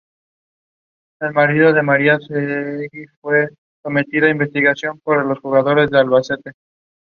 Un ejemplo de dicha construcción es el conjunto de Smith-Volterra-Cantor.